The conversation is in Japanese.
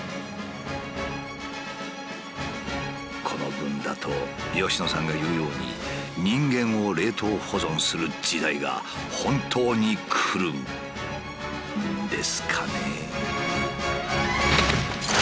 この分だと佳乃さんが言うように人間を冷凍保存する時代が本当に来るんですかね？